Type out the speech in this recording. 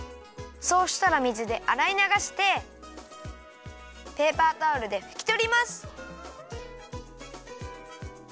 そうしたら水であらいながしてペーパータオルでふきとります。